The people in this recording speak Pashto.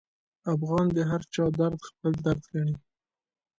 افغان د هرچا درد خپل درد ګڼي.